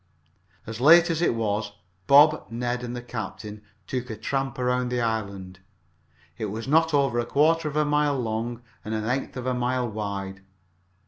As late as it was, Bob, Ned and the captain took a tramp around the island. It was not over a quarter of a mile long and an eighth of a mile wide.